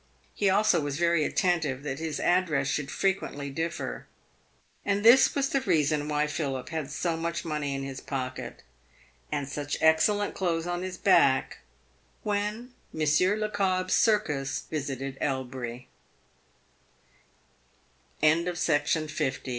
He also was very attentive that his address should frequently differ. And this was the reason why Philip had so much money in his pocket, and such excellent clothes on his back, when Monsieur Le C